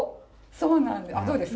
そうなんです。